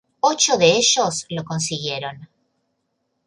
Ocho de ellos lo consiguieron.